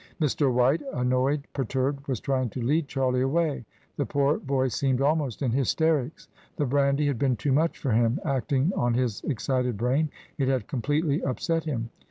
Mr. White, annoyed, perturbed, was trying to lead Charlie away; the poor boy seemed almost in hysterics. The brandy had been too much for him; acting on his excited brain, it had completely up set him.